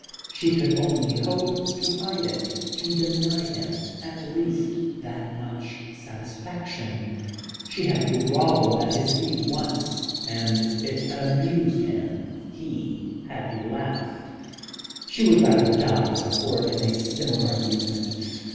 She could only hope to hide it, to deny him at least that much satisfaction. She had grovelled at his feet once and it had amused him. He had laughed! She would die rather than afford him a similar amusement.